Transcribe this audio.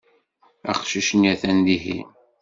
Aqcic-nni atan dihin.